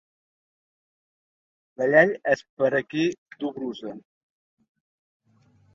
La llei és per a qui duu brusa.